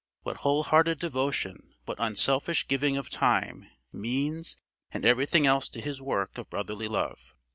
What whole hearted devotion, what unselfish giving of time, means, and everything else to this work of brotherly love!